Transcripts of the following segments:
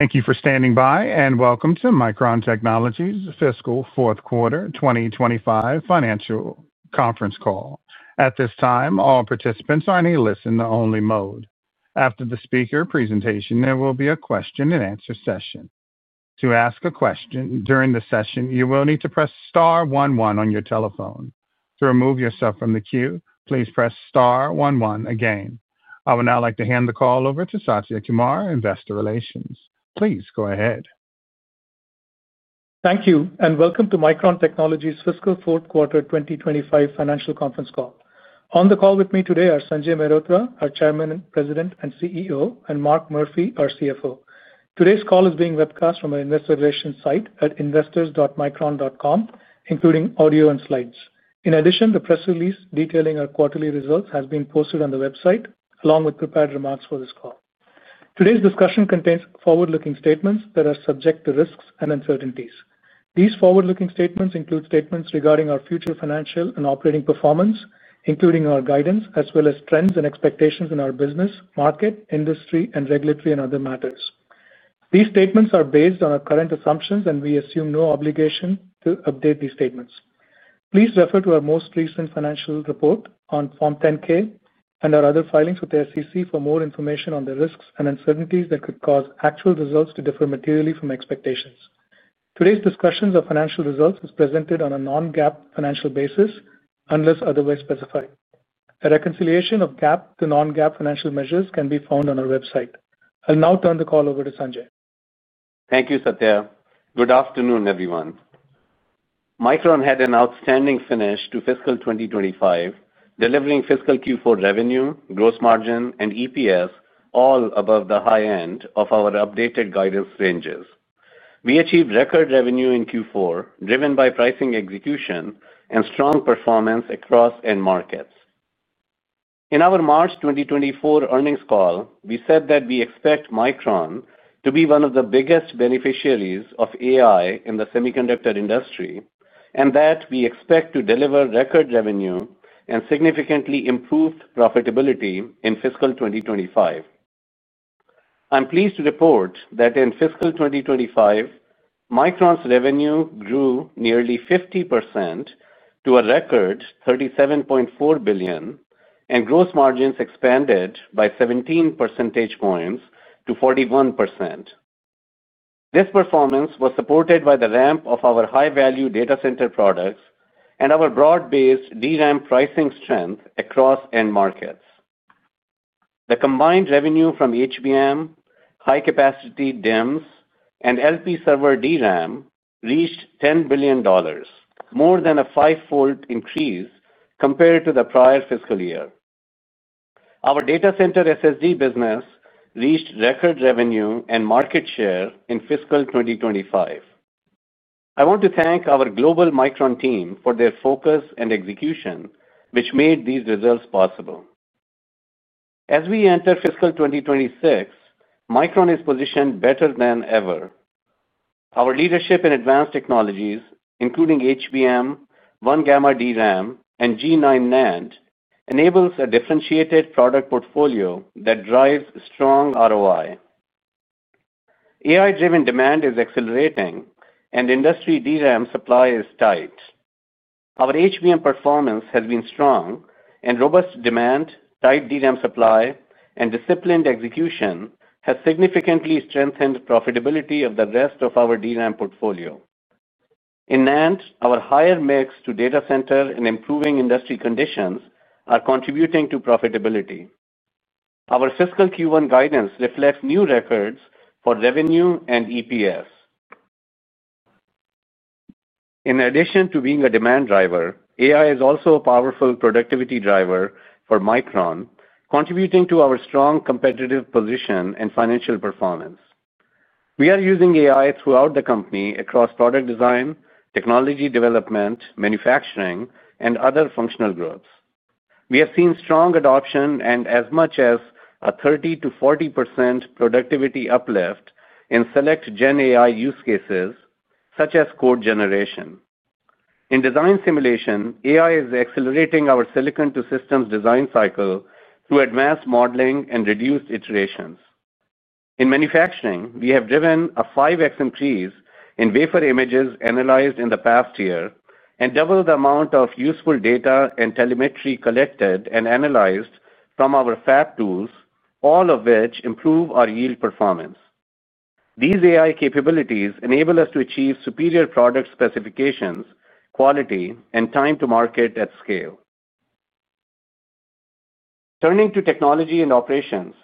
Thank you for standing by and welcome to Micron Technology's Fiscal Fourth Quarter 2025 Financial Conference Call. At this time, all participants are in a listen-only mode. After the speaker presentation, there will be a question-and-answer session. To ask a question during the session, you will need to press star one one on your telephone. To remove yourself from the queue, please press star one one again. I would now like to hand the call over to Satya Kumar, Investor Relations. Please go ahead. Thank you, and welcome to Micron Technology's Fiscal Fourth Quarter 2025 Financial Conference Call. On the call with me today are Sanjay Mehrotra, our Chairman, President, and CEO, and Mark Murphy, our CFO. Today's call is being webcast from our Investor Relations site at investors.micron.com, including audio and slides. In addition, the press release detailing our quarterly results has been posted on the website, along with prepared remarks for this call. Today's discussion contains forward-looking statements that are subject to risks and uncertainties. These forward-looking statements include statements regarding our future financial and operating performance, including our guidance, as well as trends and expectations in our business, market, industry, and regulatory and other matters. These statements are based on our current assumptions, and we assume no obligation to update these statements. Please refer to our most recent financial report on Form 10-K and our other filings with the SEC for more information on the risks and uncertainties that could cause actual results to differ materially from expectations. Today's discussion of financial results is presented on a non-GAAP financial basis unless otherwise specified. A reconciliation of GAAP to non-GAAP financial measures can be found on our website. I'll now turn the call over to Sanjay. Thank you, Satya. Good afternoon, everyone. Micron had an outstanding finish to fiscal 2025, delivering fiscal Q4 revenue, gross margin, and EPS all above the high end of our updated guidance ranges. We achieved record revenue in Q4, driven by pricing execution and strong performance across end markets. In our March 2024 earnings call, we said that we expect Micron to be one of the biggest beneficiaries of AI in the semiconductor industry and that we expect to deliver record revenue and significantly improved profitability in fiscal 2025. I'm pleased to report that in fiscal 2025, Micron's revenue grew nearly 50% to a record $37.4 billion, and gross margins expanded by 17 percentage points to 41%. This performance was supported by the ramp of our high-value data center products and our broad-based DRAM pricing strength across end markets. The combined revenue from HBM, high-capacity DIMMs, and LP server DRAM reached $10 billion, more than a five-fold increase compared to the prior fiscal year. Our data center SSD business reached record revenue and market share in fiscal 2025. I want to thank our global Micron team for their focus and execution, which made these results possible. As we enter fiscal 2026, Micron is positioned better than ever. Our leadership in advanced technologies, including HBM, 1-gamma DRAM, and G9 NAND, enables a differentiated product portfolio that drives strong ROI. AI-driven demand is accelerating, and industry DRAM supply is tight. Our HBM performance has been strong, and robust demand, tight DRAM supply, and disciplined execution have significantly strengthened the profitability of the rest of our DRAM portfolio. In NAND, our higher mix to data center and improving industry conditions are contributing to profitability. Our fiscal Q1 guidance reflects new records for revenue and EPS. In addition to being a demand driver, AI is also a powerful productivity driver for Micron, contributing to our strong competitive position and financial performance. We are using AI throughout the company across product design, technology development, manufacturing, and other functional groups. We have seen strong adoption and, as much as a 30%-40% productivity uplift in select gen AI use cases, such as code generation. In design simulation, AI is accelerating our silicon-to-systems design cycle through advanced modeling and reduced iterations. In manufacturing, we have driven a 5x increase in wafer images analyzed in the past year and doubled the amount of useful data and telemetry collected and analyzed from our fab tools, all of which improve our yield performance. These AI capabilities enable us to achieve superior product specifications, quality, and time to market at scale. Turning to technology and operations,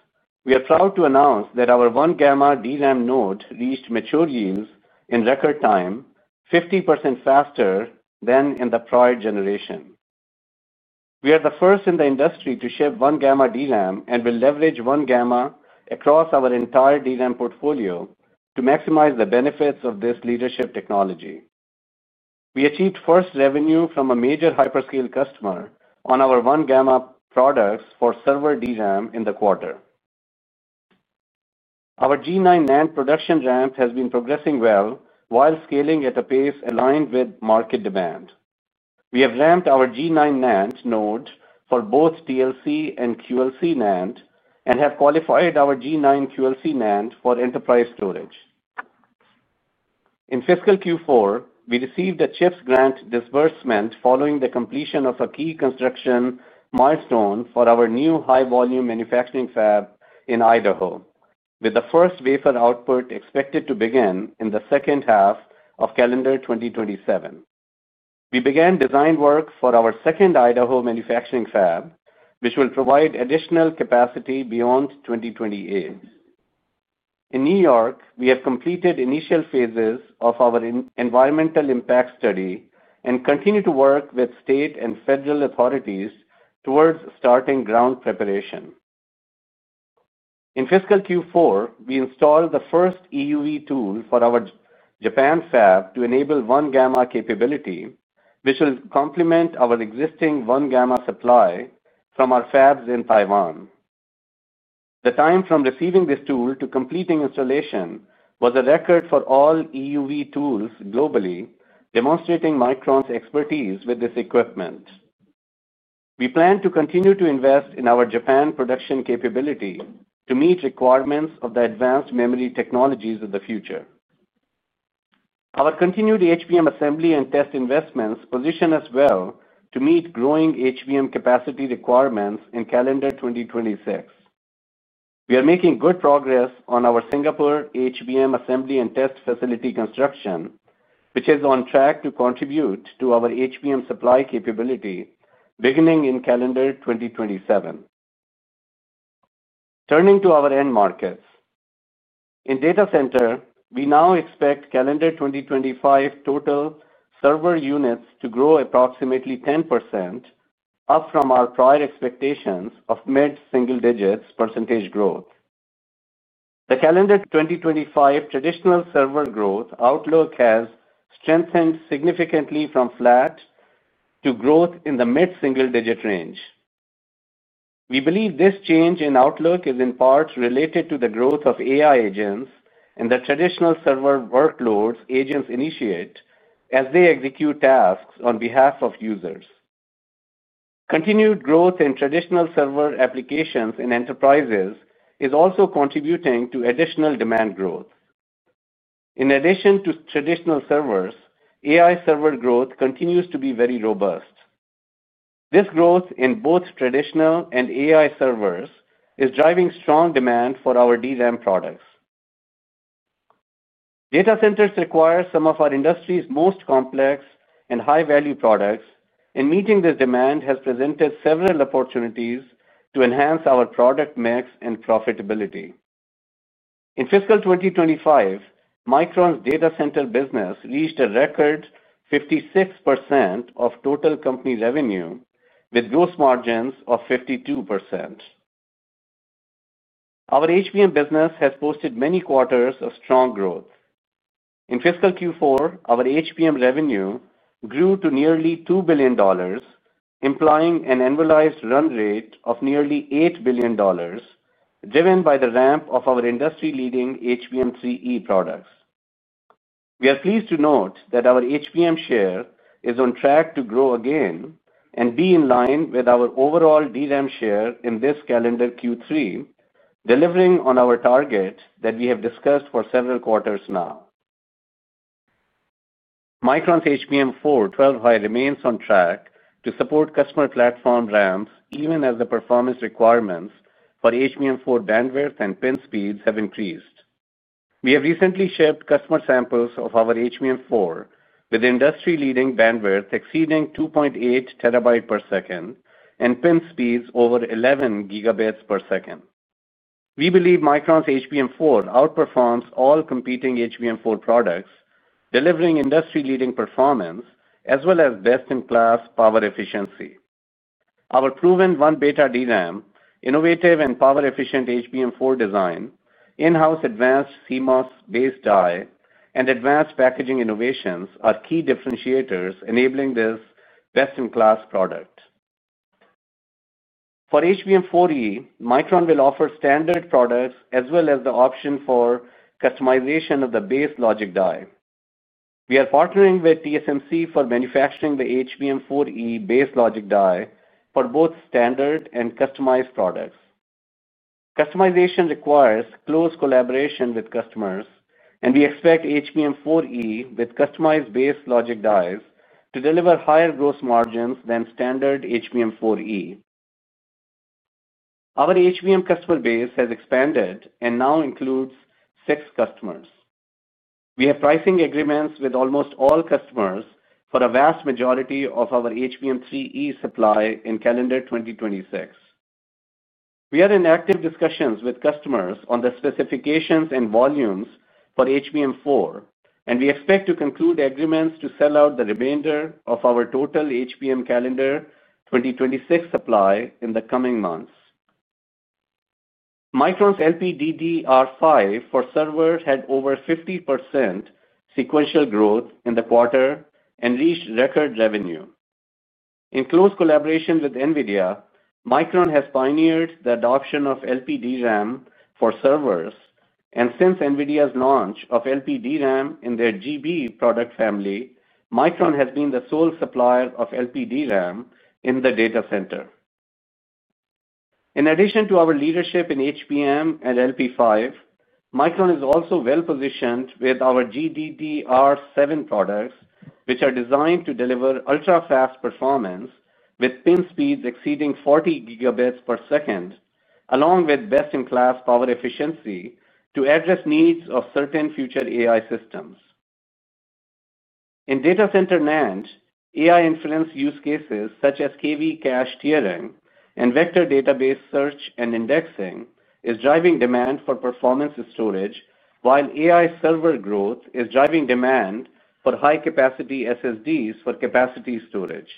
we are proud to announce that our 1-gamma DRAM node reached mature yields in record time, 50% faster than in the prior generation. We are the first in the industry to ship 1-gamma DRAM and will leverage 1-gamma across our entire DRAM portfolio to maximize the benefits of this leadership technology. We achieved first revenue from a major hyperscale customer on our 1-gamma products for server DRAM in the quarter. Our G9 NAND production ramp has been progressing well while scaling at a pace aligned with market demand. We have ramped our G9 NAND node for both TLC and QLC NAND and have qualified our G9 QLC NAND for enterprise storage. In fiscal Q4, we received a CHIPS grant disbursement following the completion of a key construction milestone for our new high-volume manufacturing fab in Idaho, with the first wafer output expected to begin in the second half of calendar 2027. We began design work for our second Idaho manufacturing fab, which will provide additional capacity beyond 2028. In New York, we have completed initial phases of our environmental impact study and continue to work with State and Federal Authorities towards starting ground preparation. In fiscal Q4, we installed the first EUV tool for our Japan fab to enable 1-gamma capability, which will complement our existing 1-gamma supply from our fabs in Taiwan. The time from receiving this tool to completing installation was a record for all EUV tools globally, demonstrating Micron's expertise with this equipment. We plan to continue to invest in our Japan production capability to meet requirements of the advanced memory technologies of the future. Our continued HBM assembly and test investments position us well to meet growing HBM capacity requirements in calendar 2026. We are making good progress on our Singapore HBM assembly and test facility construction, which is on track to contribute to our HBM supply capability beginning in calendar 2027. Turning to our end markets. In data center, we now expect calendar 2025 total server units to grow approximately 10%, up from our prior expectations of mid-single-digit percentage growth. The calendar 2025 traditional server growth outlook has strengthened significantly from flat to growth in the mid-single-digit range. We believe this change in outlook is in part related to the growth of AI agents and the traditional server workloads agents initiate as they execute tasks on behalf of users. Continued growth in traditional server applications in enterprises is also contributing to additional demand growth. In addition to traditional servers, AI server growth continues to be very robust. This growth in both traditional and AI servers is driving strong demand for our DRAM products. Data centers require some of our industry's most complex and high-value products, and meeting this demand has presented several opportunities to enhance our product mix and profitability. In fiscal 2025, Micron's data center business reached a record 56% of total company revenue, with gross margins of 52%. Our HBM business has posted many quarters of strong growth. In fiscal Q4, our HBM revenue grew to nearly $2 billion, implying an annualized run rate of nearly $8 billion, driven by the ramp of our industry-leading HBM3E products. We are pleased to note that our HBM share is on track to grow again and be in line with our overall DRAM share in this calendar Q3, delivering on our target that we have discussed for several quarters now. Micron's HBM4 12-high remains on track to support customer platform ramps, even as the performance requirements for HBM4 bandwidth and pin speeds have increased. We have recently shipped customer samples of our HBM4 with industry-leading bandwidth exceeding 2.8 TB per second and pin speeds over 11 Gb per second. We believe Micron's HBM4 outperforms all competing HBM4 products, delivering industry-leading performance as well as best-in-class power efficiency. Our proven 1-gamma DRAM, innovative and power-efficient HBM4 design, in-house advanced CMOS base die, and advanced packaging innovations are key differentiators enabling this best-in-class product. For HBM4E, Micron will offer standard products as well as the option for customization of the base logic die. We are partnering with TSMC for manufacturing the HBM4E base logic die for both standard and customized products. Customization requires close collaboration with customers, and we expect HBM4E with customized base logic dies to deliver higher gross margins than standard HBM4E. Our HBM customer base has expanded and now includes six customers. We have pricing agreements with almost all customers for a vast majority of our HBM3E supply in calendar 2026. We are in active discussions with customers on the specifications and volumes for HBM4, and we expect to conclude agreements to sell out the remainder of our total HBM calendar 2026 supply in the coming months. Micron's LPDDR5 for servers had over 50% sequential growth in the quarter and reached record revenue. In close collaboration with NVIDIA, Micron has pioneered the adoption of LPDRAM for servers, and since NVIDIA's launch of LPDRAM in their GB product family, Micron has been the sole supplier of LPDRAM in the data center. In addition to our leadership in HBM and LP5, Micron is also well-positioned with our GDDR7 products, which are designed to deliver ultra-fast performance with pin speeds exceeding 40 Gb per second, along with best-in-class power efficiency to address needs of certain future AI systems. In data center NAND, AI-influenced use cases such as KV cache tiering and vector database search and indexing are driving demand for performance storage, while AI server growth is driving demand for high-capacity SSDs for capacity storage.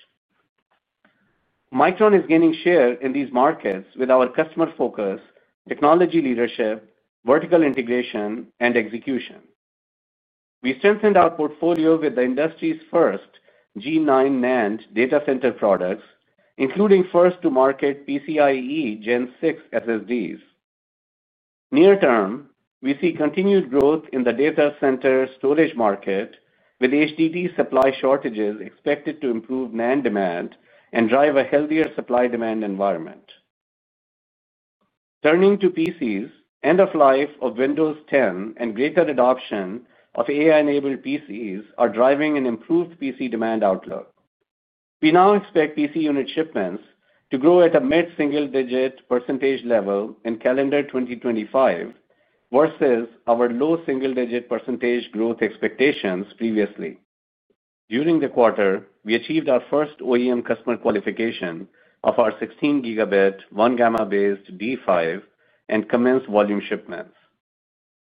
Micron is gaining share in these markets with our customer focus, technology leadership, vertical integration, and execution. We strengthened our portfolio with the industry's first G9 NAND data center products, including first-to-market PCIe Gen 6 SSDs. Near-term, we see continued growth in the data center storage market, with HDD supply shortages expected to improve NAND demand and drive a healthier supply-demand environment. Turning to PCs, end-of-life of Windows 10 and greater adoption of AI-enabled PCs are driving an improved PC demand outlook. We now expect PC unit shipments to grow at a mid-single-digit percentage level in calendar 2025 versus our low single-digit percentage growth expectations previously. During the quarter, we achieved our first OEM customer qualification of our 16 Gb 1-gamma-based D5 and commenced volume shipments.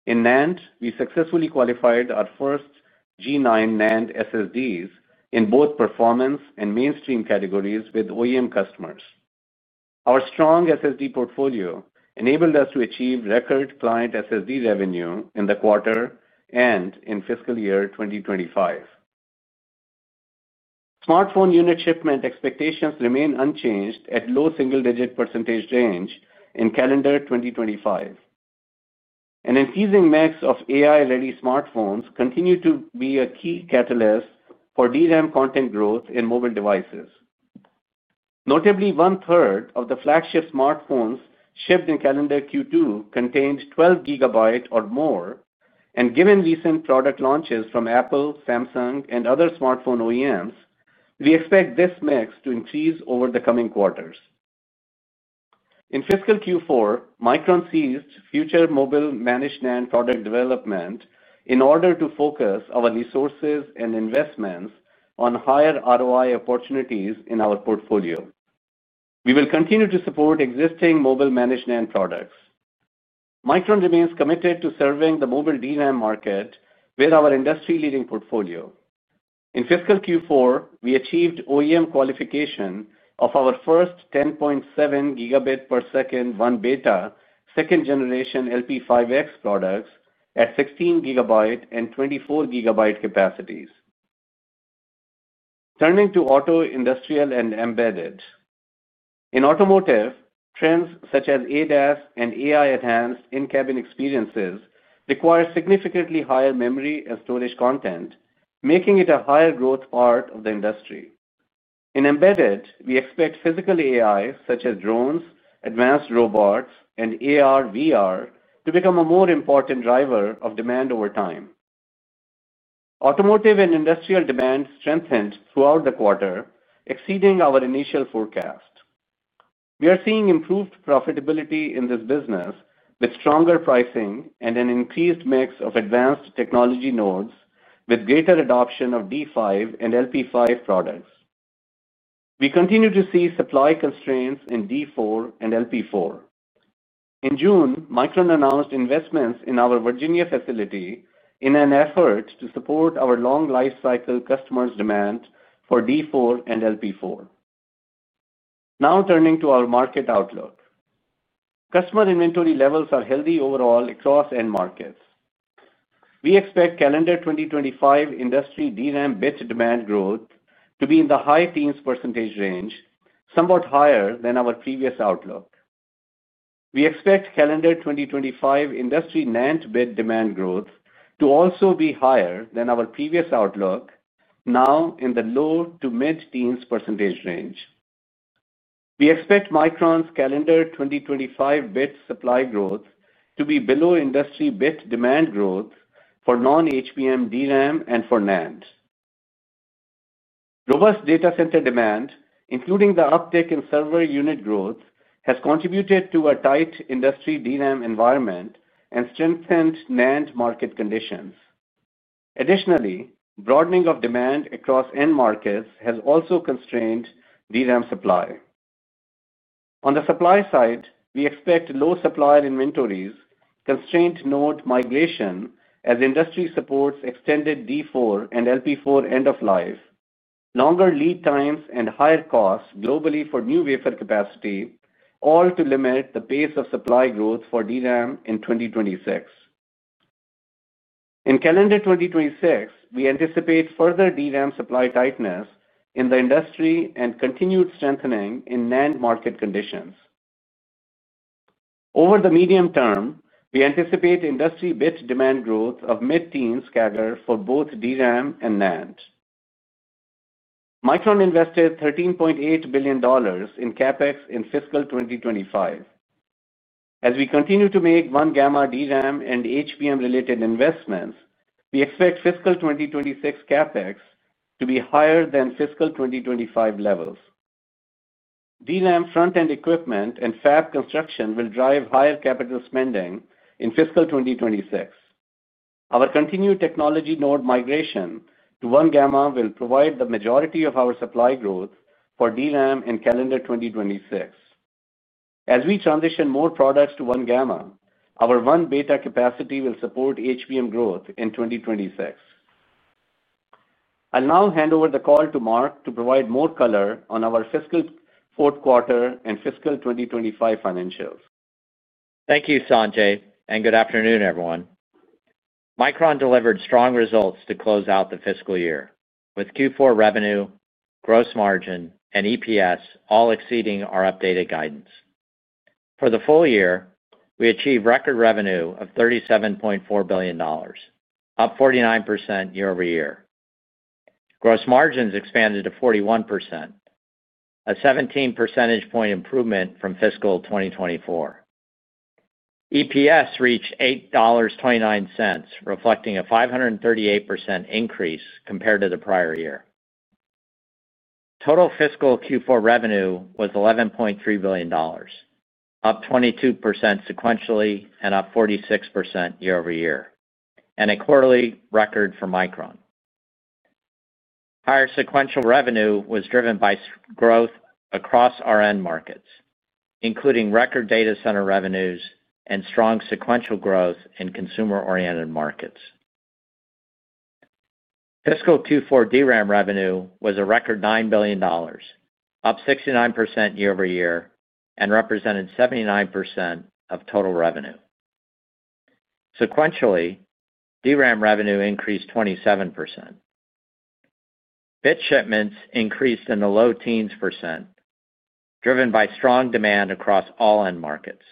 In NAND, we successfully qualified our first G9 NAND SSDs in both performance and mainstream categories with OEM customers. Our strong SSD portfolio enabled us to achieve record client SSD revenue in the quarter and in fiscal year 2025. Smartphone unit shipment expectations remain unchanged at low single-digit percentage range in calendar 2025. An increasing mix of AI-ready smartphones continues to be a key catalyst for DRAM content growth in mobile devices. Notably, one-third of the flagship smartphones shipped in calendar Q2 contained 12 GB or more, and given recent product launches from Apple, Samsung, and other smartphone OEMs, we expect this mix to increase over the coming quarters. In fiscal Q4, Micron ceased future mobile managed NAND product development in order to focus our resources and investments on higher ROI opportunities in our portfolio. We will continue to support existing mobile managed NAND products. Micron remains committed to serving the mobile DRAM market with our industry-leading portfolio. In fiscal Q4, we achieved OEM qualification of our first 10.7 Gb per second 1-beta second-generation LP5X products at 16 GB and 24 GB capacities. Turning to auto, industrial, and embedded. In automotive, trends such as ADAS and AI-enhanced in-cabin experiences require significantly higher memory and storage content, making it a higher-growth part of the industry. In embedded, we expect physical AI such as drones, advanced robots, and AR/VR to become a more important driver of demand over time. Automotive and industrial demand strengthened throughout the quarter, exceeding our initial forecast. We are seeing improved profitability in this business with stronger pricing and an increased mix of advanced technology nodes, with greater adoption of D5 and LP5 products. We continue to see supply constraints in D4 and LP4. In June, Micron announced investments in our Virginia facility in an effort to support our long-life cycle customers' demand for D4 and LP4. Now turning to our market outlook. Customer inventory levels are healthy overall across end markets. We expect calendar 2025 industry DRAM bit demand growth to be in the high teens percentage range, somewhat higher than our previous outlook. We expect calendar 2025 industry NAND bit demand growth to also be higher than our previous outlook, now in the low to mid-teens percentage range. We expect Micron's calendar 2025 bit supply growth to be below industry bit demand growth for non-HBM DRAM and for NAND. Robust data center demand, including the uptake in server unit growth, has contributed to a tight industry DRAM environment and strengthened NAND market conditions. Additionally, broadening of demand across end markets has also constrained DRAM supply. On the supply side, we expect low supply in inventories, constrained node migration as industry supports extended D4 and LP4 end-of-life, longer lead times, and higher costs globally for new wafer capacity, all to limit the pace of supply growth for DRAM in 2026. In calendar 2026, we anticipate further DRAM supply tightness in the industry and continued strengthening in NAND market conditions. Over the medium term, we anticipate industry bit demand growth of mid-teens category for both DRAM and NAND. Micron invested $13.8 billion in CapEx in fiscal 2025. As we continue to make 1-gamma DRAM and HBM-related investments, we expect fiscal 2026 CapEx to be higher than fiscal 2025 levels. DRAM front-end equipment and fab construction will drive higher capital spending in fiscal 2026. Our continued technology node migration to 1-gamma will provide the majority of our supply growth for DRAM in calendar 2026. As we transition more products to 1-gamma, our 1-beta capacity will support HBM growth in 2026. I'll now hand over the call to Mark to provide more color on our fiscal fourth quarter and fiscal 2025 financials. Thank you, Sanjay, and good afternoon, everyone. Micron Technology delivered strong results to close out the fiscal year with Q4 revenue, gross margin, and EPS all exceeding our updated guidance. For the full year, we achieved record revenue of $37.4 billion, up 49% year-over-year. Gross margins expanded to 41%, a 17% improvement from fiscal 2024. EPS reached $8.29, reflecting a 538% increase compared to the prior year. Total fiscal Q4 revenue was $11.3 billion, up 22% sequentially and up 46% year-over-year, and a quarterly record for Micron. Higher sequential revenue was driven by growth across our end markets, including record data center revenues and strong sequential growth in consumer-oriented markets. Fiscal Q4 DRAM revenue was a record $9 billion, up 69% year-over-year and represented 79% of total revenue. Sequentially, DRAM revenue increased 27%. Bit shipments increased in the low teens percent, driven by strong demand across all end markets.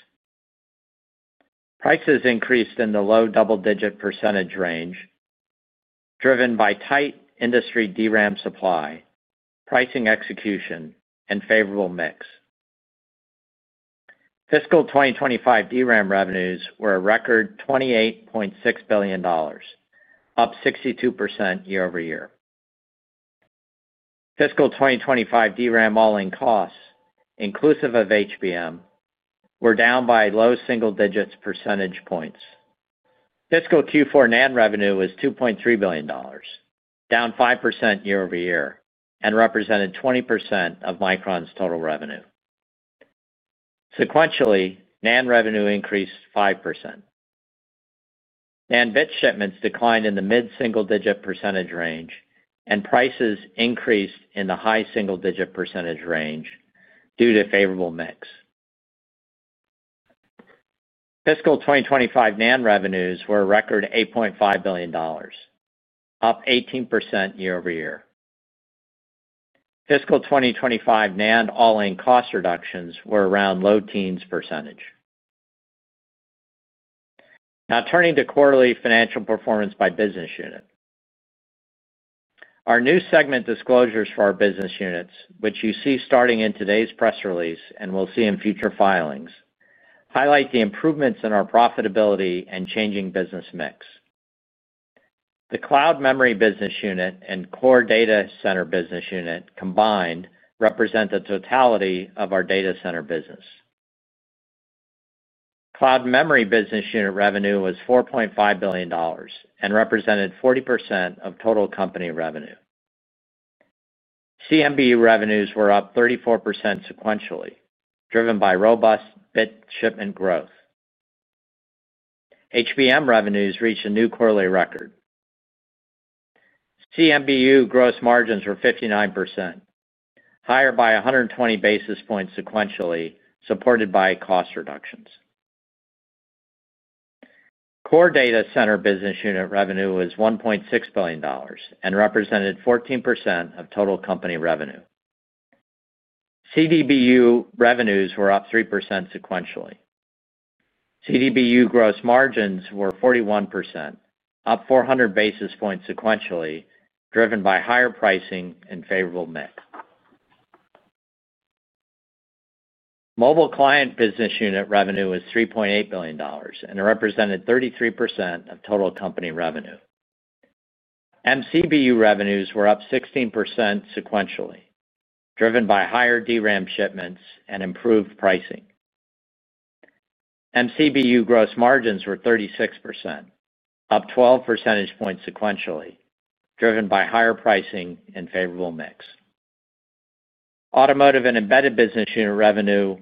Prices increased in the low double-digit percentage range, driven by tight industry DRAM supply, pricing execution, and favorable mix. Fiscal 2025 DRAM revenues were a record $28.6 billion, up 62% year-over-year. Fiscal 2025 DRAM all-in costs, inclusive of HBM, were down by low single-digit percentage points. Fiscal Q4 NAND revenue was $2.3 billion, down 5% year-over-year and represented 20% of Micron's total revenue. Sequentially, NAND revenue increased 5%. NAND bit shipments declined in the mid-single-digit percentage range, and prices increased in the high single-digit percentage range due to favorable mix. Fiscal 2025 NAND revenues were a record $8.5 billion, up 18% year-over-year. Fiscal 2025 NAND all-in cost reductions were around low teens percentage. Now turning to quarterly financial performance by business unit. Our new segment disclosures for our business units, which you see starting in today's press release and will see in future filings, highlight the improvements in our profitability and changing business mix. The Cloud Memory Business Unit and Core Data Center Business Unit combined represent the totality of our data center business. Cloud Memory Business Unit revenue was $4.5 billion and represented 40% of total company revenue. CMB revenues were up 34% sequentially, driven by robust bit shipment growth. HBM revenues reached a new quarterly record. CMBU gross margins were 59%, higher by 120 basis points sequentially, supported by cost reductions. Core Data Center Business Unit revenue was $1.6 billion and represented 14% of total company revenue. CDBU revenues were up 3% sequentially. CDBU gross margins were 41%, up 400 basis points sequentially, driven by higher pricing and favorable mix. Mobile Client Business Unit revenue was $3.8 billion and represented 33% of total company revenue. MCBU revenues were up 16% sequentially, driven by higher DRAM shipments and improved pricing. MCBU gross margins were 36%, up 12 percentage points sequentially, driven by higher pricing and favorable mix. Automotive and Embedded Business Unit revenue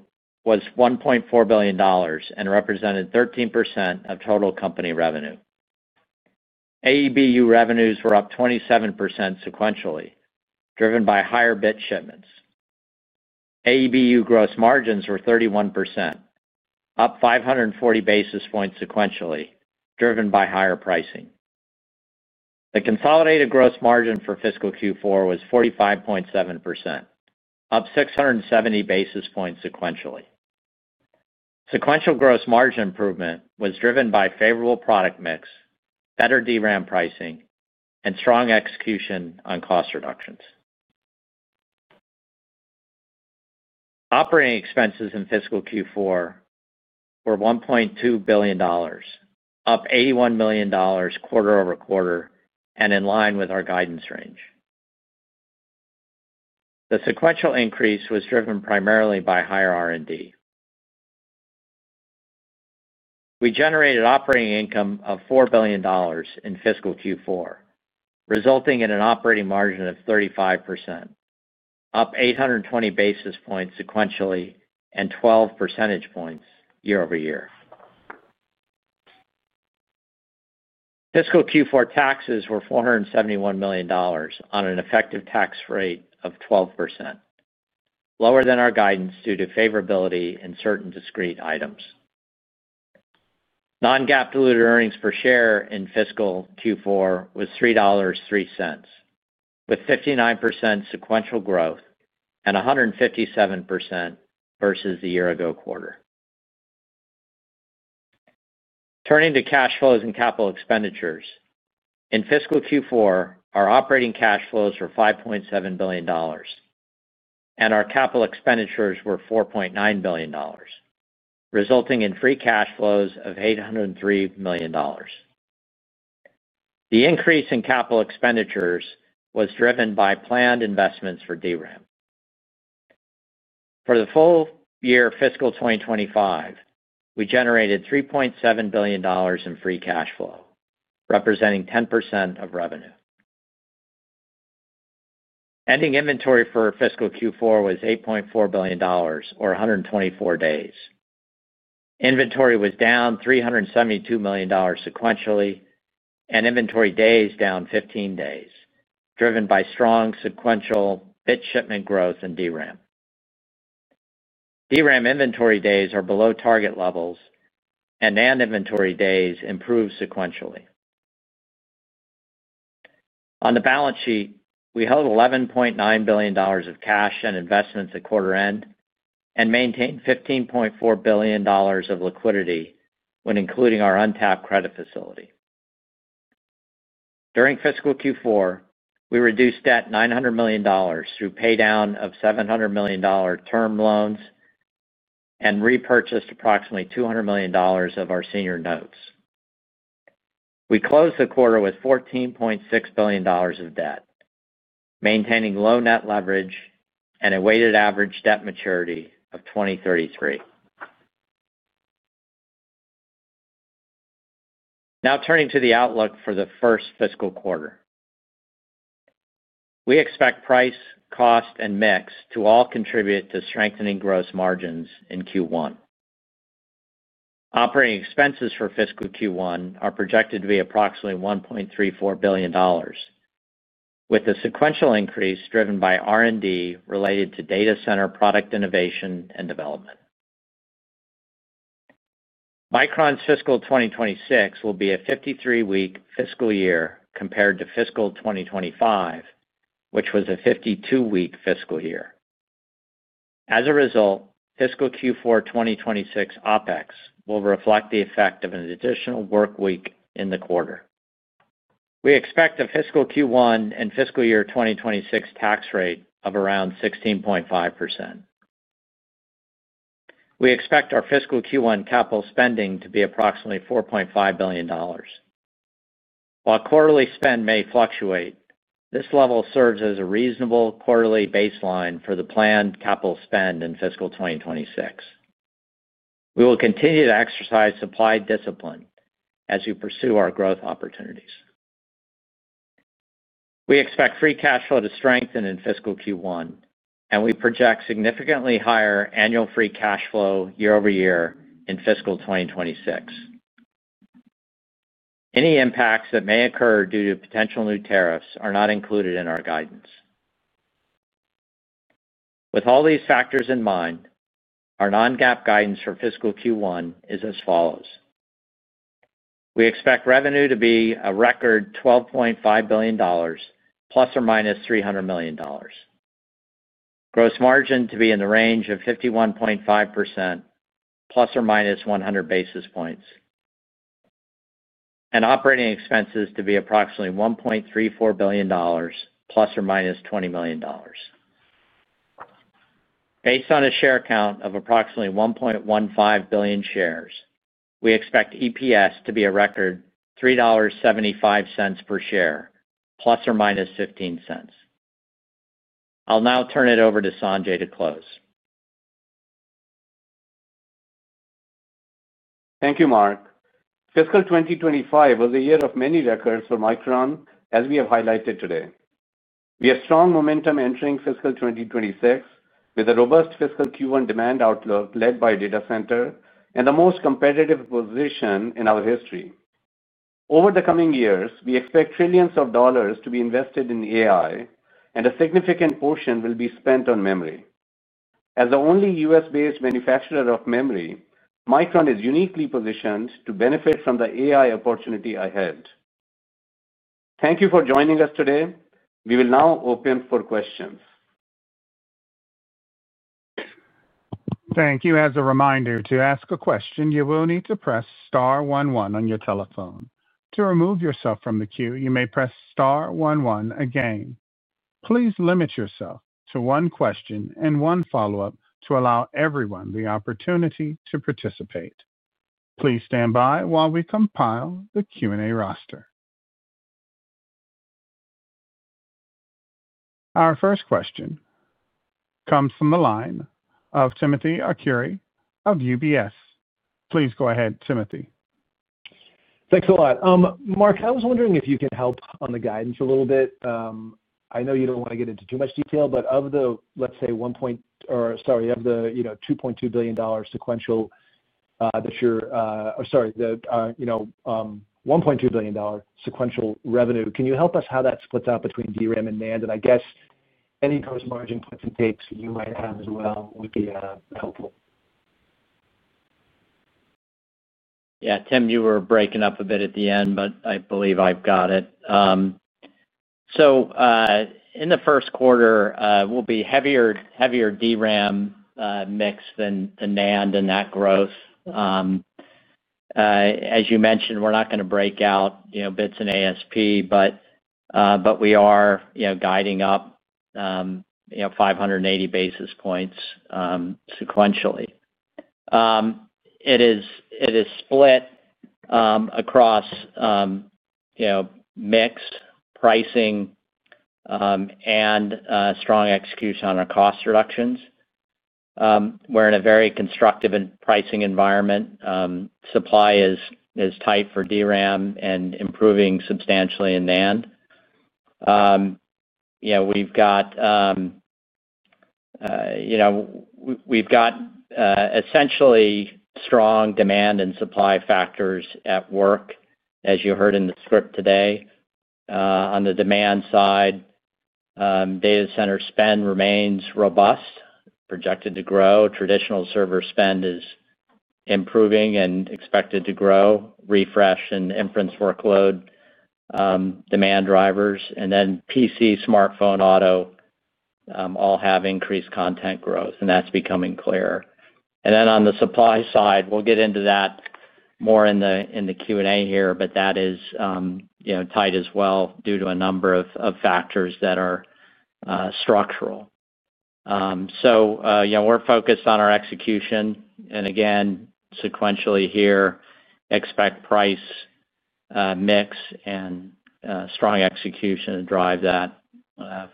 was $1.4 billion and represented 13% of total company revenue. AEBU revenues were up 27% sequentially, driven by higher bit shipments. AEBU gross margins were 31%, up 540 basis points sequentially, driven by higher pricing. The consolidated gross margin for fiscal Q4 was 45.7%, up 670 basis points sequentially. Sequential gross margin improvement was driven by favorable product mix, better DRAM pricing, and strong execution on cost reductions. Operating expenses in fiscal Q4 were $1.2 billion, up $81 million quarter-over-quarter and in line with our guidance range. The sequential increase was driven primarily by higher R&D. We generated operating income of $4 billion in fiscal Q4, resulting in an operating margin of 35%, up 820 basis points sequentially and 12 percentage points year over year. Fiscal Q4 taxes were $471 million on an effective tax rate of 12%, lower than our guidance due to favorability in certain discrete items. Non-GAAP diluted earnings per share in fiscal Q4 was $3.03, with 59% sequential growth and 157% versus the year ago quarter. Turning to cash flows and capital expenditures. In fiscal Q4, our operating cash flows were $5.7 billion, and our capital expenditures were $4.9 billion, resulting in free cash flows of $803 million. The increase in capital expenditures was driven by planned investments for DRAM. For the full year of fiscal 2025, we generated $3.7 billion in free cash flow, representing 10% of revenue. Ending inventory for fiscal Q4 was $8.4 billion or 124 days. Inventory was down $372 million sequentially, and inventory days down 15 days, driven by strong sequential bit shipment growth and DRAM. DRAM inventory days are below target levels, and NAND inventory days improved sequentially. On the balance sheet, we held $11.9 billion of cash and investments at quarter end and maintained $15.4 billion of liquidity when including our untapped credit facility. During fiscal Q4, we reduced debt $900 million through paydown of $700 million term loans and repurchased approximately $200 million of our senior notes. We closed the quarter with $14.6 billion of debt, maintaining low net leverage and a weighted average debt maturity of 2033. Now turning to the outlook for the first fiscal quarter. We expect price, cost, and mix to all contribute to strengthening gross margins in Q1. Operating expenses for fiscal Q1 are projected to be approximately $1.34 billion, with a sequential increase driven by R&D related to data center product innovation and development. Micron's fiscal 2026 will be a 53-week fiscal year compared to fiscal 2025, which was a 52-week fiscal year. As a result, fiscal Q4 2026 OpEx will reflect the effect of an additional work week in the quarter. We expect a fiscal Q1 and fiscal year 2026 tax rate of around 16.5%. We expect our fiscal Q1 capital spending to be approximately $4.5 billion. While quarterly spend may fluctuate, this level serves as a reasonable quarterly baseline for the planned capital spend in fiscal 2026. We will continue to exercise supply discipline as we pursue our growth opportunities. We expect free cash flow to strengthen in fiscal Q1, and we project significantly higher annual free cash flow year over year in fiscal 2026. Any impacts that may occur due to potential new tariffs are not included in our guidance. With all these factors in mind, our non-GAAP guidance for fiscal Q1 is as follows. We expect revenue to be a record $12.5 billion, ±$300 million, gross margin to be in the range of 51.5%, ±100 basis points, and operating expenses to be approximately $1.34 billion, ±$20 million. Based on a share count of approximately 1.15 billion shares, we expect EPS to be a record $3.75 per share, ±$0.15. I'll now turn it over to Sanjay to close. Thank you, Mark. Fiscal 2025 was a year of many records for Micron, as we have highlighted today. We have strong momentum entering fiscal 2026 with a robust fiscal Q1 demand outlook led by data center and the most competitive position in our history. Over the coming years, we expect trillions of dollars to be invested in AI, and a significant portion will be spent on memory. As the only U.S.-based manufacturer of memory, Micron is uniquely positioned to benefit from the AI opportunity ahead. Thank you for joining us today. We will now open for questions. Thank you. As a reminder, to ask a question, you will need to press star one one on your telephone. To remove yourself from the queue, you may press star one one again. Please limit yourself to one question and one follow-up to allow everyone the opportunity to participate. Please stand by while we compile the Q&A roster. Our first question comes from the line of Timothy Arcuri of UBS. Please go ahead, Timothy. Thanks a lot. Mark, I was wondering if you could help on the guidance a little bit. I know you don't want to get into too much detail, but of the $1.2 billion sequential revenue, can you help us how that splits out between DRAM and NAND? I guess any gross margin puts and takes you might have as well would be helpful. Yeah, Tim, you were breaking up a bit at the end, but I believe I've got it. In the first quarter, we'll be heavier, heavier DRAM mix than the NAND and that growth. As you mentioned, we're not going to break out, you know, bits in ASP, but we are, you know, guiding up, you know, 580 basis points, sequentially. It is split across, you know, mix, pricing, and strong execution on our cost reductions. We're in a very constructive pricing environment. Supply is tight for DRAM and improving substantially in NAND. We've got, you know, we've got essentially strong demand and supply factors at work, as you heard in the script today. On the demand side, data center spend remains robust, projected to grow. Traditional server spend is improving and expected to grow. Refresh and inference workload, demand drivers, and then PC, smartphone, auto, all have increased content growth, and that's becoming clear. On the supply side, we'll get into that more in the Q&A here, but that is tight as well due to a number of factors that are structural. We're focused on our execution, and again, sequentially here, expect price, mix, and strong execution to drive that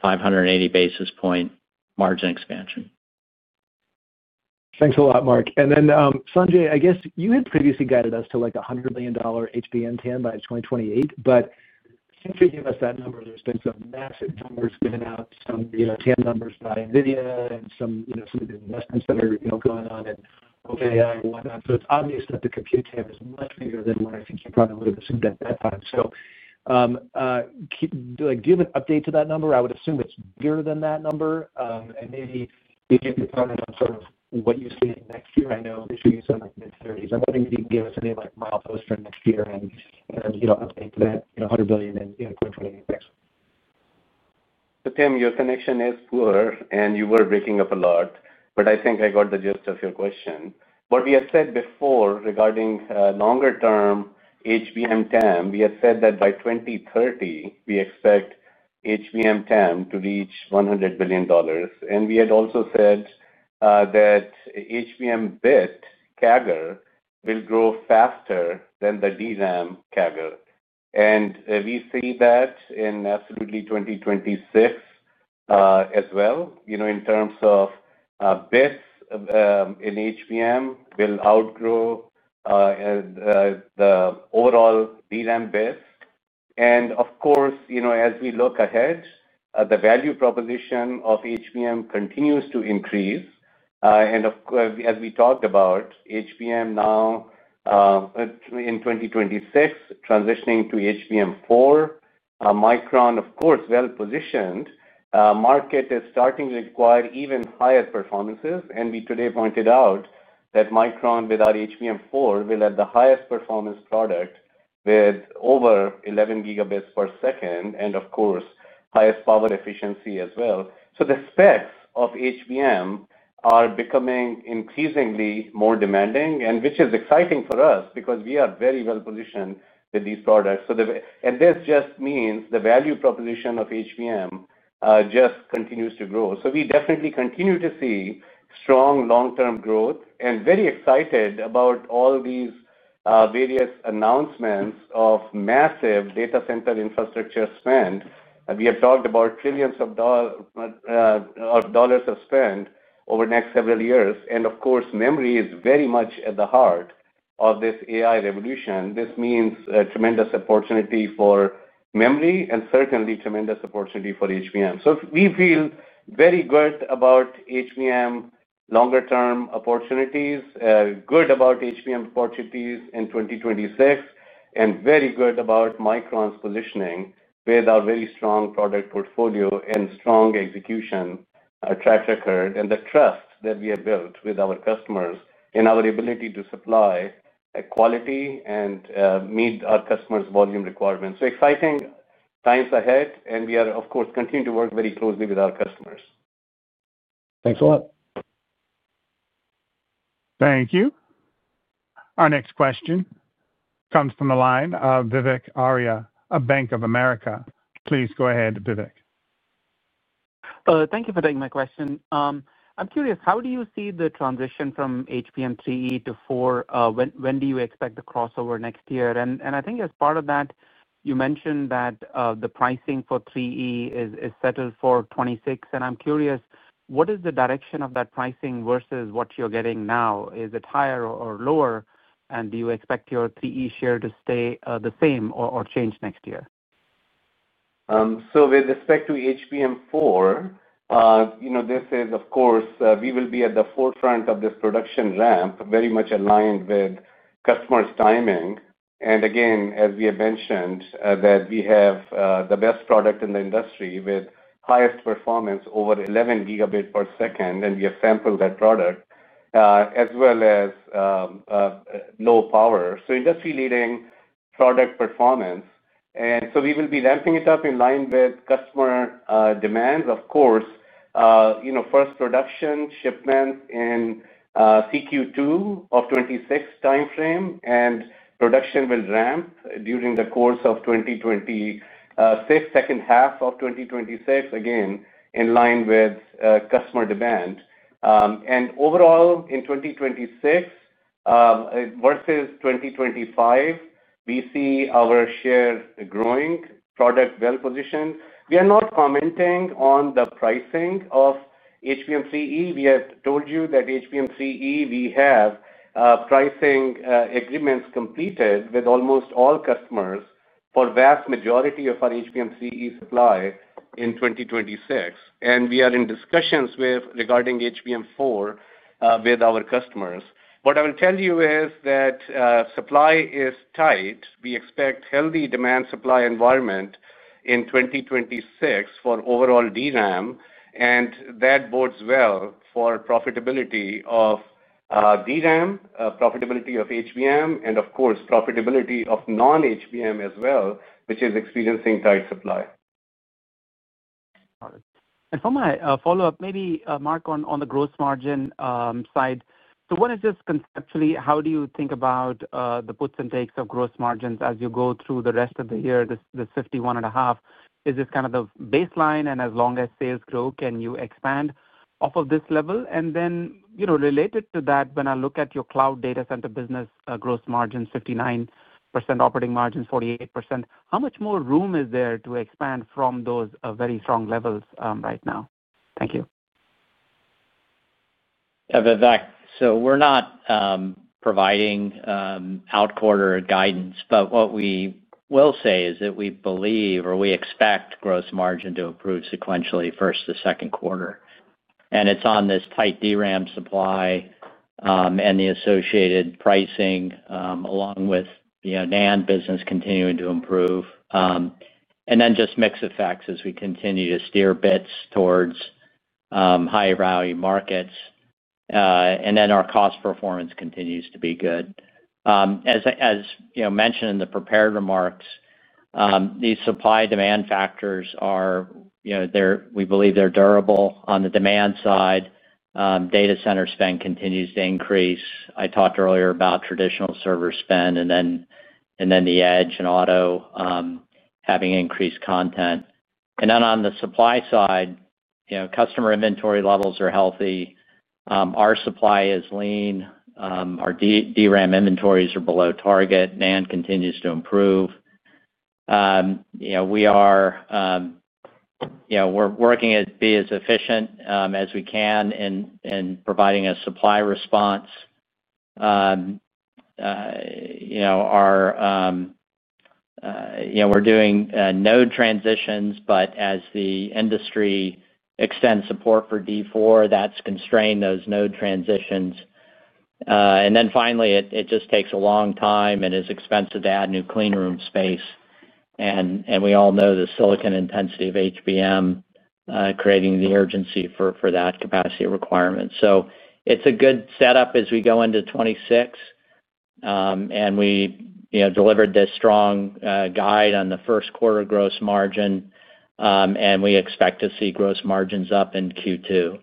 580 basis point margin expansion. Thanks a lot, Mark. Sanjay, I guess you had previously guided us to like a $100 billion HBM TAM by 2028, but since you gave us that number, there's been some massive rumors getting out, some, you know, TAM numbers by NVIDIA and some, you know, some of the investments that are, you know, going on at OpenAI and whatnot. It's obvious that the compute table is much bigger than what I think you probably would have assumed at that time. Do you have an update to that number? I would assume it's bigger than that number, and maybe you can comment on sort of what you see next year. I know this year you saw like mid-30s. I'm thinking you can give us any like mild hope starting next year, and, you know, update for that, you know, $100 billion in 2028. Tim, your connection is poor and you were breaking up a lot, but I think I got the gist of your question. What we had said before regarding longer-term HBM TAM, we had said that by 2030, we expect HBM TAM to reach $100 billion, and we had also said that HBM bit CAGR will grow faster than the DRAM CAGR. We see that in 2026 as well, in terms of bits in HBM will outgrow the overall DRAM bit. Of course, as we look ahead, the value proposition of HBM continues to increase. As we talked about, HBM now in 2026 is transitioning to HBM4. Micron, of course, is well-positioned. The market is starting to require even higher performances, and we today pointed out that Micron with HBM4 will have the highest performance product with over 11 Gb per second and, of course, highest power efficiency as well. The specs of HBM are becoming increasingly more demanding, which is exciting for us because we are very well positioned with these products. This just means the value proposition of HBM continues to grow. We definitely continue to see strong long-term growth and are very excited about all these various announcements of massive data center infrastructure spend. We have talked about trillions of dollars of spend over the next several years, and memory is very much at the heart of this AI revolution. This means a tremendous opportunity for memory and certainly a tremendous opportunity for HBM. We feel very good about HBM longer-term opportunities, good about HBM opportunities in 2026, and very good about Micron's positioning with our very strong product portfolio and strong execution track record and the trust that we have built with our customers in our ability to supply quality and meet our customers' volume requirements. Exciting times ahead, and we are, of course, continuing to work very closely with our customers. Thanks a lot. Thank you. Our next question comes from the line of Vivek Arya at Bank of America. Please go ahead, Vivek. Thank you for taking my question. I'm curious, how do you see the transition from HBM3 to HBM4? When do you expect the crossover next year? I think as part of that, you mentioned that the pricing for HBM3E is settled for 2026. I'm curious, what is the direction of that pricing versus what you're getting now? Is it higher or lower? Do you expect your HBM3E share to stay the same or change next year? With respect to HBM4, this is, of course, we will be at the forefront of this production ramp, very much aligned with customers' timing. As we have mentioned, we have the best product in the industry with highest performance over 11 gigabits per second, and we have sampled that product, as well as low power. Industry-leading product performance. We will be ramping it up in line with customer demands, of course, first production shipment in CQ2 of 2026 timeframe, and production will ramp during the course of 2026, second half of 2026, again in line with customer demand. Overall, in 2026 versus 2025, we see our share growing, product well-positioned. We are not commenting on the pricing of HBM3E. We have told you that HBM3E, we have pricing agreements completed with almost all customers for the vast majority of our HBM3E supply in 2026. We are in discussions regarding HBM4 with our customers. What I will tell you is that supply is tight. We expect a healthy demand-supply environment in 2026 for overall DRAM, and that bodes well for profitability of DRAM, profitability of HBM, and, of course, profitability of non-HBM as well, which is experiencing tight supply. Got it. For my follow-up, maybe, Mark, on the gross margin side, what is this conceptually? How do you think about the puts and takes of gross margins as you go through the rest of the year, this 51.5%? Is this kind of the baseline? As long as sales grow, can you expand off of this level? Related to that, when I look at your cloud data center business, gross margins 59%, operating margins 48%, how much more room is there to expand from those very strong levels right now? Thank you. Yeah, Vivek, so we're not providing out-quarter guidance, but what we will say is that we believe or we expect gross margin to improve sequentially first to second quarter. It's on this tight DRAM supply, and the associated pricing, along with, you know, NAND business continuing to improve, and then just mix effects as we continue to steer bits towards high-value markets, and then our cost performance continues to be good. As I, as you know, mentioned in the prepared remarks, these supply-demand factors are, you know, we believe they're durable on the demand side. Data center spend continues to increase. I talked earlier about traditional server spend and then the edge and auto having increased content. On the supply side, you know, customer inventory levels are healthy. Our supply is lean. Our DRAM inventories are below target. NAND continues to improve. You know, we are, you know, we're working to be as efficient as we can in providing a supply response. You know, we're doing node transitions, but as the industry extends support for D4, that's constrained those node transitions. Finally, it just takes a long time and is expensive to add new clean room space. We all know the silicon intensity of HBM, creating the urgency for that capacity requirement. It's a good setup as we go into 2026. We, you know, delivered this strong guide on the first quarter gross margin, and we expect to see gross margins up in Q2.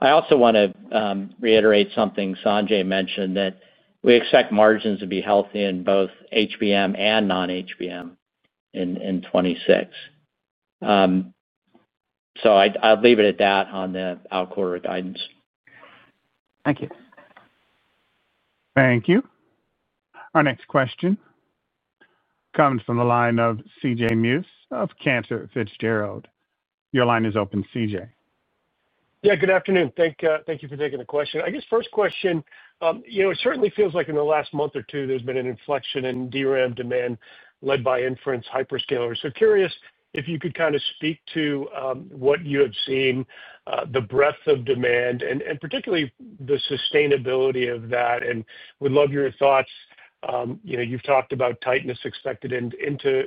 I also want to reiterate something Sanjay mentioned that we expect margins to be healthy in both HBM and non-HBM in 2026. I'll leave it at that on the out-quarter guidance. Thank you. Thank you. Our next question comes from the line of CJ Muse of Cantor Fitzgerald. Your line is open, CJ. Yeah, good afternoon. Thank you for taking the question. I guess first question, it certainly feels like in the last month or two there's been an inflection in DRAM demand led by inference hyperscalers. Curious if you could kind of speak to what you have seen, the breadth of demand, and particularly the sustainability of that. Would love your thoughts. You've talked about tightness expected into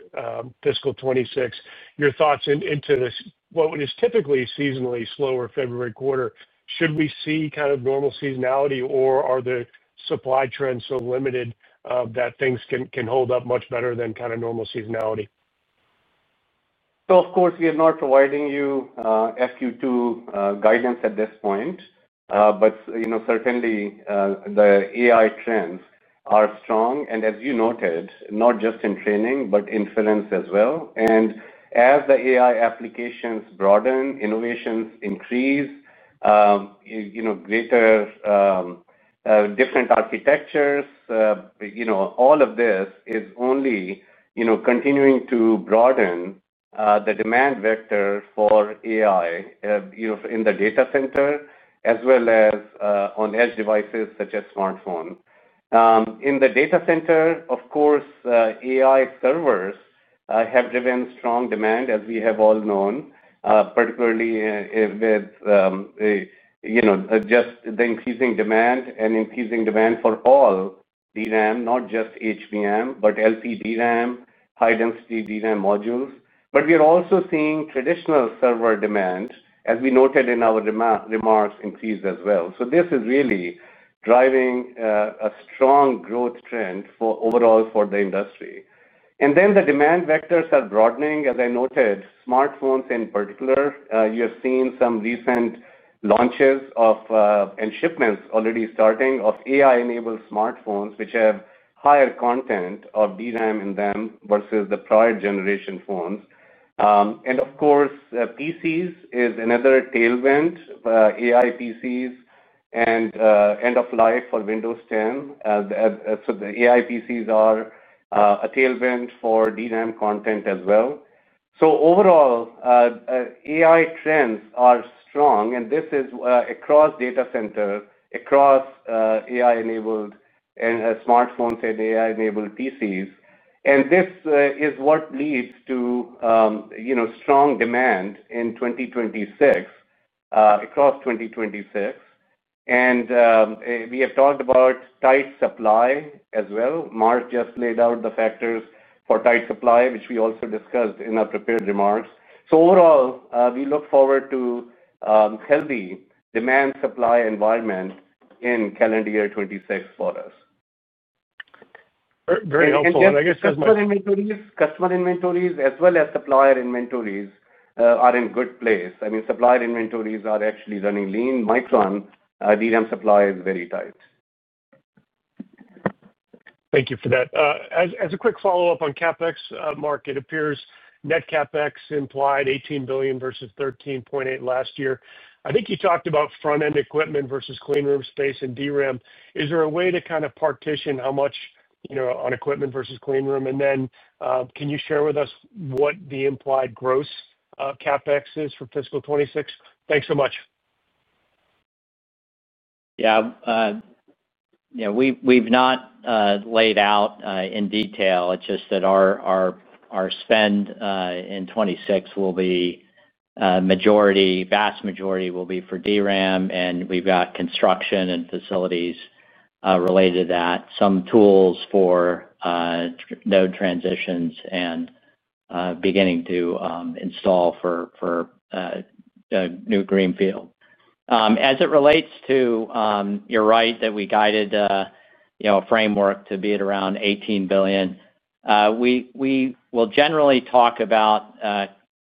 fiscal 2026. Your thoughts into this, what is typically seasonally slower February quarter? Should we see kind of normal seasonality, or are the supply trends so limited that things can hold up much better than kind of normal seasonality? Of course, we are not providing you FQ2 guidance at this point, but you know, certainly, the AI trends are strong. As you noted, not just in training, but inference as well. As the AI applications broaden, innovations increase, greater, different architectures, all of this is only continuing to broaden the demand vector for AI in the data center as well as on edge devices such as smartphones. In the data center, AI servers have driven strong demand, as we have all known, particularly with the increasing demand and increasing demand for all DRAM, not just HBM, but LPDRAM, high-density DRAM modules. We are also seeing traditional server demand, as we noted in our remarks, increase as well. This is really driving a strong growth trend overall for the industry. The demand vectors are broadening, as I noted, smartphones in particular. You have seen some recent launches of and shipments already starting of AI-enabled smartphones, which have higher content of DRAM in them versus the prior generation phones. PCs is another tailwind, AI PCs, and end-of-life for Windows 10. The AI PCs are a tailwind for DRAM content as well. Overall, AI trends are strong, and this is across data center, across AI-enabled smartphones and AI-enabled PCs. This is what leads to strong demand in 2026, across 2026. We have talked about tight supply as well. Mark just laid out the factors for tight supply, which we also discussed in our prepared remarks. Overall, we look forward to a healthy demand-supply environment in calendar year 2026 for us. Very helpful. Customer inventories, customer as well as supplier inventories, are in good place. Supplier inventories are actually running lean. Micron DRAM supply is very tight. Thank you for that. As a quick follow-up on CapEx, Mark, it appears net CapEx implied $18 billion versus $13.8 billion last year. I think you talked about front-end equipment versus clean room space and DRAM. Is there a way to kind of partition how much, you know, on equipment versus clean room? Can you share with us what the implied gross CapEx is for fiscal 2026? Thanks so much. Yeah, we've not laid out in detail. It's just that our spend in 2026 will be majority, vast majority will be for DRAM, and we've got construction and facilities related to that, some tools for node transitions and beginning to install for new greenfield. As it relates to, you're right that we guided, you know, a framework to be at around $18 billion, we will generally talk about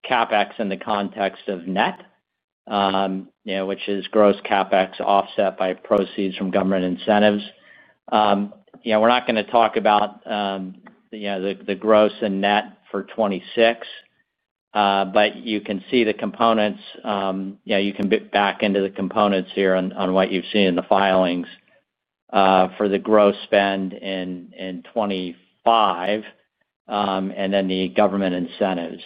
CapEx in the context of net, which is gross CapEx offset by proceeds from government incentives. We're not going to talk about the gross and net for 2026, but you can see the components, you can back into the components here on what you've seen in the filings for the gross spend in 2025 and then the government incentives.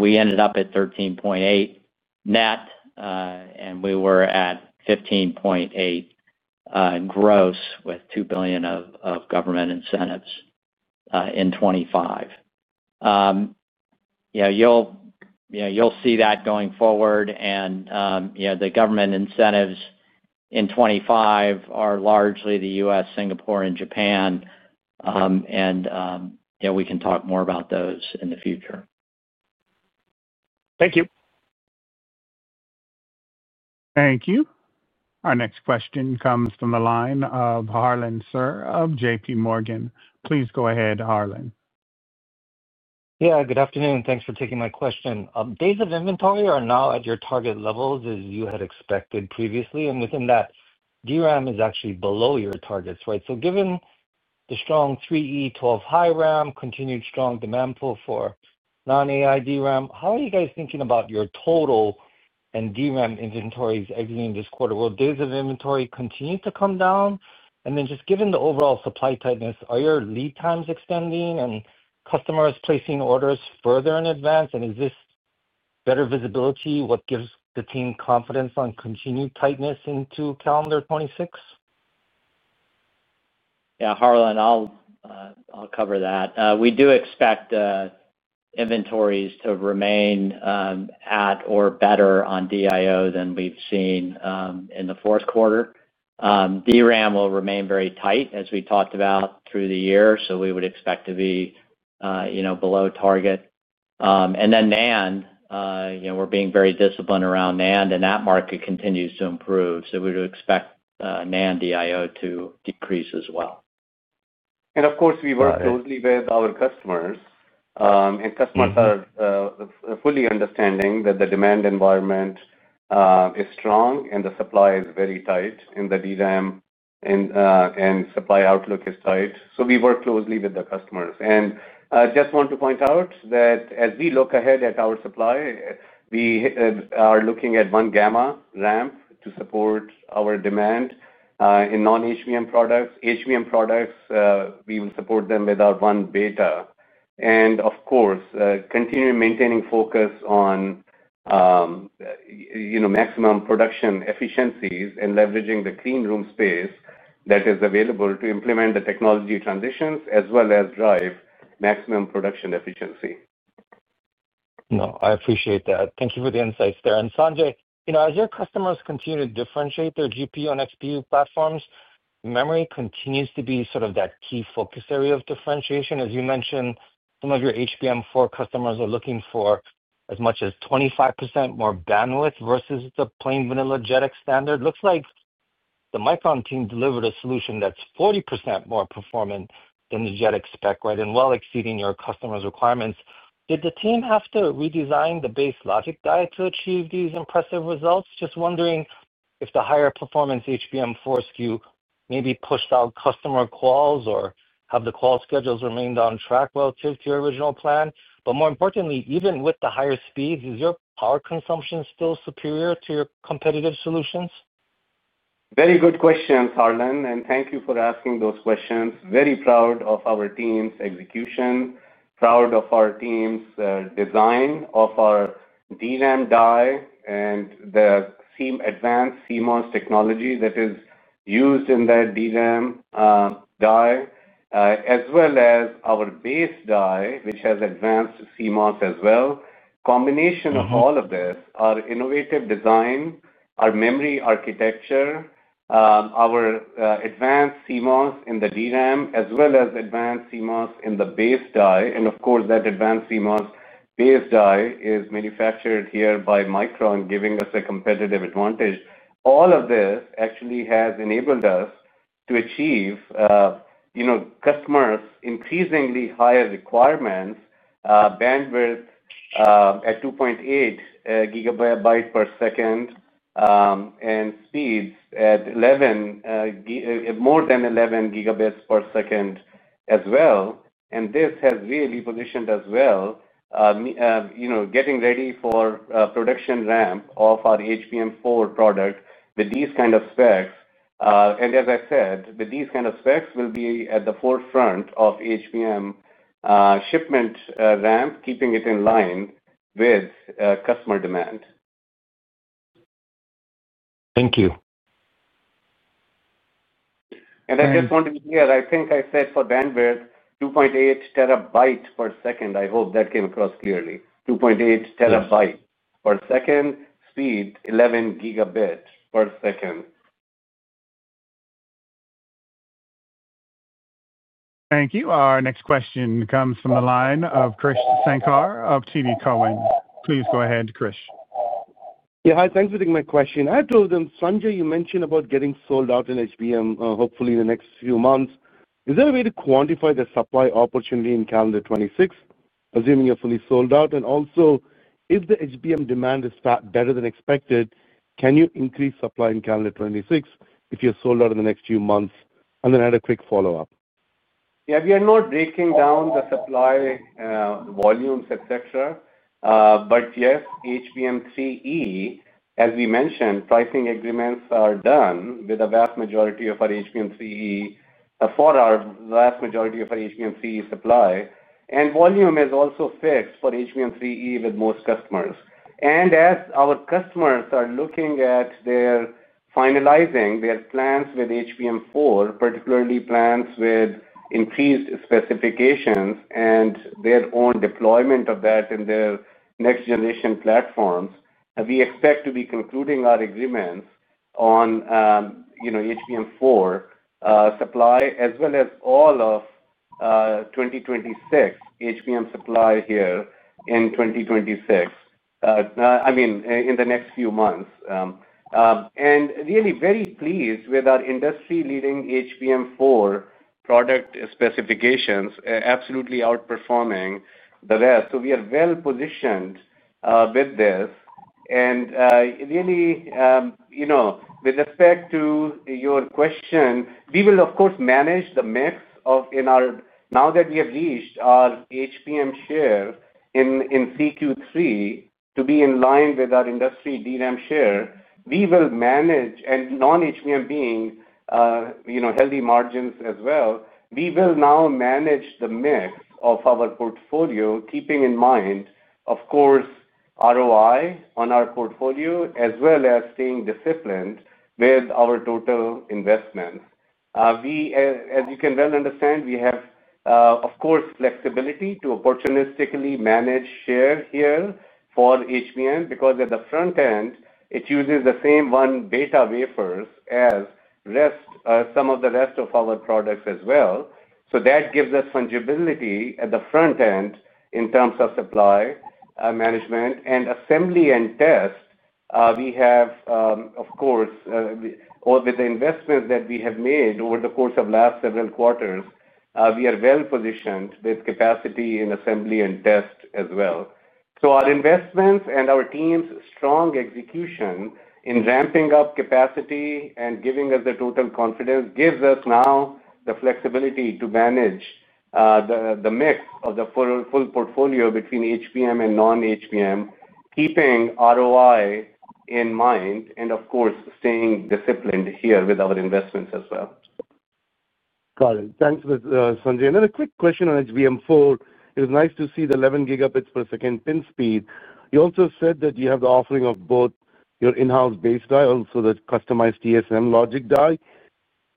We ended up at $13.8 billion net, and we were at $15.8 billion gross with $2 billion of government incentives in 2025. You'll see that going forward, and the government incentives in 2025 are largely the U.S., Singapore, and Japan. We can talk more about those in the future. Thank you. Thank you. Our next question comes from the line of Harlan Sur of JPMorgan. Please go ahead, Harlan. Yeah, good afternoon. Thanks for taking my question. Days of inventory are now at your target levels, as you had expected previously, and within that, DRAM is actually below your targets, right? Given the strong HBM3E, 12-high RAM, continued strong demand pull for non-AI DRAM, how are you guys thinking about your total and DRAM inventories exiting this quarter? Will days of inventory continue to come down? Just given the overall supply tightness, are your lead times extending and customers placing orders further in advance? Is this better visibility? What gives the team confidence on continued tightness into calendar 2026? Yeah, Harlan, I'll cover that. We do expect inventories to remain at or better on DIO than we've seen in the fourth quarter. DRAM will remain very tight, as we talked about through the year, so we would expect to be, you know, below target. NAND, you know, we're being very disciplined around NAND, and that market continues to improve, so we would expect NAND DIO to decrease as well. We work closely with our customers, and customers are fully understanding that the demand environment is strong and the supply is very tight, and the DRAM and supply outlook is tight. We work closely with the customers. I just want to point out that as we look ahead at our supply, we are looking at 1-gamma ramp to support our demand in non-HBM products. HBM products, we will support them with our 1-beta. We continue maintaining focus on maximum production efficiencies and leveraging the clean room space that is available to implement the technology transitions as well as drive maximum production efficiency. No, I appreciate that. Thank you for the insights. Sanjay, as your customers continue to differentiate their GPU and XPU platforms, memory continues to be sort of that key focus area of differentiation. As you mentioned, some of your HBM4 customers are looking for as much as 25% more bandwidth versus the plain vanilla JEDEC standard. It looks like the Micron team delivered a solution that's 40% more performant than the JEDEC spec, right, and well exceeding your customers' requirements. Did the team have to redesign the base logic die to achieve these impressive results? I'm just wondering if the higher performance HBM4 SKU maybe pushed out customer calls or if the call schedules remained on track relative to your original plan. More importantly, even with the higher speeds, is your power consumption still superior to your competitive solutions? Very good question, Harlan, and thank you for asking those questions. Very proud of our team's execution, proud of our team's design of our DRAM die and the advanced CMOS technology that is used in that DRAM die, as well as our base die, which has advanced CMOS as well. The combination of all of this, our innovative design, our memory architecture, our advanced CMOS in the DRAM, as well as advanced CMOS in the base die, and of course, that advanced CMOS base die is manufactured here by Micron, giving us a competitive advantage. All of this actually has enabled us to achieve customers' increasingly higher requirements, bandwidth at 2.8 gigabytes per second, and speeds at more than 11 gigabits per second as well. This has really positioned us well, getting ready for production ramp of our HBM4 product with these kinds of specs. As I said, with these kinds of specs, we'll be at the forefront of HBM shipment ramp, keeping it in line with customer demand. Thank you. I just want to be clear, I think I said for bandwidth 2.8 TB per second. I hope that came across clearly. 2.8 TB per second, speed 11 Gb per second. Thank you. Our next question comes from the line of Krish Sankar of TD Cowen. Please go ahead, Krish. Yeah, hi, thanks for taking my question. I had told them, Sanjay, you mentioned about getting sold out in HBM, hopefully in the next few months. Is there a way to quantify the supply opportunity in calendar 2026, assuming you're fully sold out? If the HBM demand is better than expected, can you increase supply in calendar 2026 if you're sold out in the next few months? I have a quick follow-up. Yeah, we are not breaking down the supply volumes, et cetera. Yes, HBM3E, as we mentioned, pricing agreements are done with a vast majority of our HBM3E supply. Volume is also fixed for HBM3E with most customers. As our customers are finalizing their plans with HBM4, particularly plans with increased specifications and their own deployment of that in their next-generation platforms, we expect to be concluding our agreement on HBM4 supply, as well as all of 2026 HBM supply here in 2026, in the next few months. Really very pleased with our industry-leading HBM4 product specifications, absolutely outperforming the rest. We are well positioned with this. With respect to your question, we will, of course, manage the mix of our portfolio now that we have reached our HBM share in CQ3 to be in line with our industry DRAM share. We will manage, and non-HBM being healthy margins as well, we will now manage the mix of our portfolio, keeping in mind, of course, ROI on our portfolio, as well as staying disciplined with our total investments. As you can well understand, we have, of course, flexibility to opportunistically manage share here for HBM because at the front end, it uses the same one-beta wafer as some of the rest of our products as well. That gives us fungibility at the front end in terms of supply management and assembly and test. With the investments that we have made over the course of the last several quarters, we are well positioned with capacity in assembly and test as well. Our investments and our team's strong execution in ramping up capacity and giving us the total confidence gives us now the flexibility to manage the mix of the full portfolio between HBM and non-HBM, keeping ROI in mind, and staying disciplined here with our investments as well. Got it. Thanks, Sanjay. Another quick question on HBM4. It was nice to see the 11 gigabits per second pin speed. You also said that you have the offering of both your in-house base die, also the customized TSMC logic die.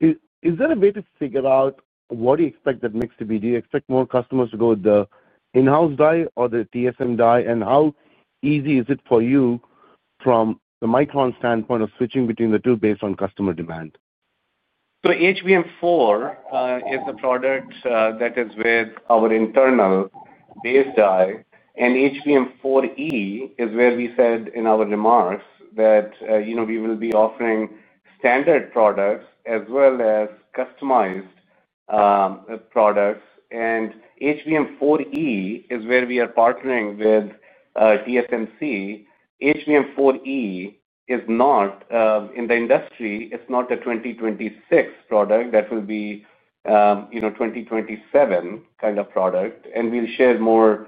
Is there a way to figure out what do you expect that mix to be? Do you expect more customers to go with the in-house die or the TSMC die, and how easy is it for you from the Micron standpoint of switching between the two based on customer demand? HBM4 is the product that is with our internal base die, and HBM4E is where we said in our remarks that, you know, we will be offering standard products as well as customized products. HBM4E is where we are partnering with TSMC. HBM4E is not in the industry. It's not a 2026 product. That will be, you know, 2027 kind of product. We'll share more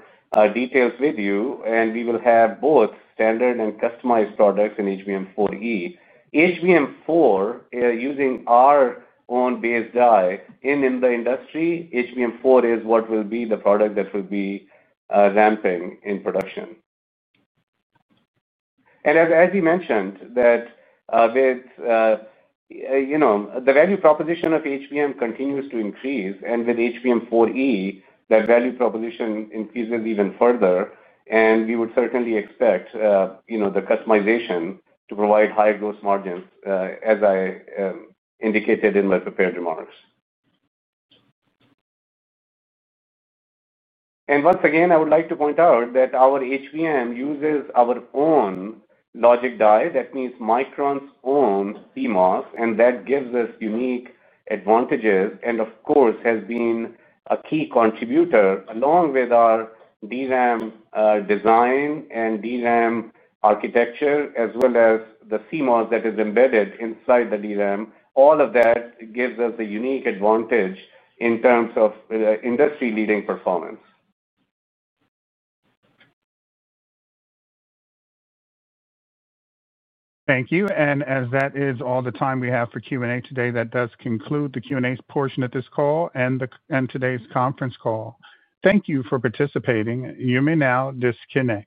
details with you, and we will have both standard and customized products in HBM4E. HBM4 is using our own base die in the industry. HBM4 is what will be the product that will be ramping in production. As you mentioned, with the value proposition of HBM continuing to increase, and with HBM4E, that value proposition increases even further. We would certainly expect the customization to provide higher gross margins, as I indicated in my prepared remarks. Once again, I would like to point out that our HBM uses our own logic die. That means Micron's own CMOS, and that gives us unique advantages and, of course, has been a key contributor along with our DRAM design and DRAM architecture, as well as the CMOS that is embedded inside the DRAM. All of that gives us a unique advantage in terms of industry-leading performance. Thank you. As that is all the time we have for Q&A today, that does conclude the Q&A portion of this call and today's conference call. Thank you for participating. You may now disconnect.